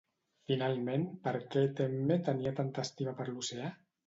Finalment, per què Temme tenia tanta estima per l'oceà?